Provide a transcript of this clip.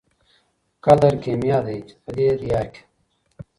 قدر کېمیا دی په دې دیار کي